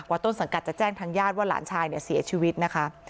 ต้นสังกัดจะแจ้งทางญาติว่าหลานชายเนี่ยเสียชีวิตนะคะ